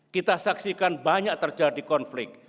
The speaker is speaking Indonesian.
kita saksikan banyak terjadi konflik